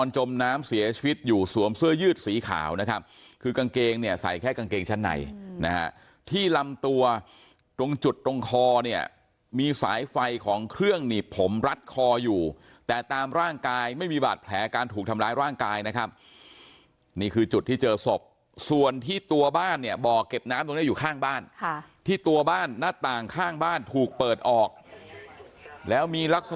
จมน้ำเสียชีวิตอยู่สวมเสื้อยืดสีขาวนะครับคือกางเกงเนี่ยใส่แค่กางเกงชั้นในนะฮะที่ลำตัวตรงจุดตรงคอเนี่ยมีสายไฟของเครื่องหนีบผมรัดคออยู่แต่ตามร่างกายไม่มีบาดแผลการถูกทำร้ายร่างกายนะครับนี่คือจุดที่เจอศพส่วนที่ตัวบ้านเนี่ยบ่อเก็บน้ำตรงนี้อยู่ข้างบ้านที่ตัวบ้านหน้าต่างข้างบ้านถูกเปิดออกแล้วมีลักษณะ